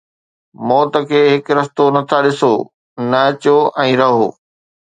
موت کي هڪ رستو نه ٿا ڏسو؟ نه اچو ۽ رهو